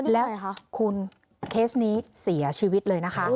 แล้วคุณเคสนี้เสียชีวิตเลยนะคะ